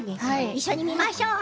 一緒に見ましょう。